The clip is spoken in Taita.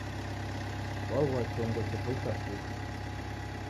Waghua chongo chepoisa supu.